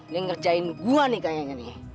dia ngerjain gua nih kayaknya nih